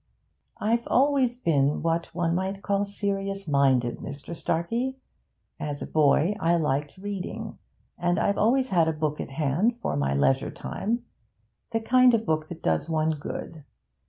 'I've always been what one may call serious minded, Mr. Starkey. As a boy I liked reading, and I've always had a book at hand for my leisure time the kind of book that does one good.